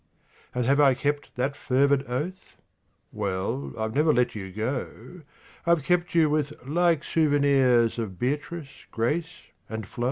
And have I kept that fervid oath? Well I've never let you go: I've kept you with like souvenirs Of Beatrice, Grace and Flo.